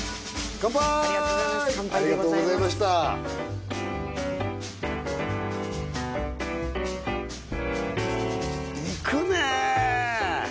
乾杯でございますありがとうございましたいくねえ！